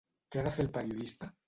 Què ha de fer el periodista?